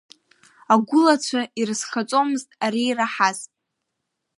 Агәылацәа ирызхаҵомызт ари ираҳаз.